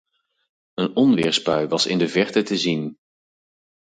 Een onweersbui was in de verte te zien.